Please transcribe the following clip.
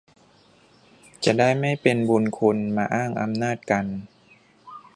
จะได้ไม่เป็นบุญคุณมาอ้างอำนาจกัน